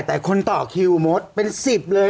แต่คนต่อคิวมดเป็น๑๐เลย